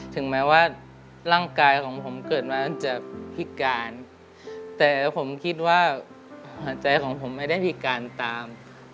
ถึงแม้ว่าร่างกายของผมเกิดมาจะพิการแต่ผมคิดว่าหายใจของผมไม่ได้พิการตาม